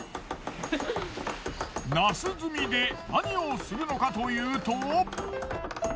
ナス炭で何をするのかというと。